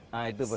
nah itu pesan